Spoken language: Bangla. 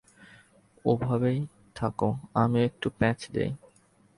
ওভাবেই থাকো, আমিও একটু প্যাঁচ দিই।